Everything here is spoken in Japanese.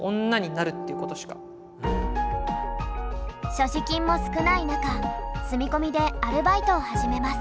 所持金も少ない中住み込みでアルバイトを始めます。